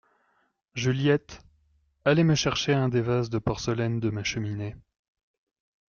Juliette, allez me chercher un des vases de porcelaine de ma cheminée.